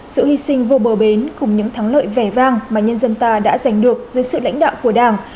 sự hy sinh vô bờ bến cùng những thắng lợi vẻ vang mà nhân dân ta đã giành được dưới sự lãnh đạo của đảng